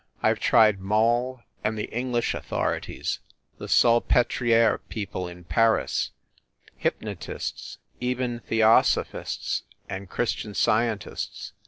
I ve tried Moll and the English authorities, the Salpetriere people in Paris hypnotists, even The osophists and Christian Scientists.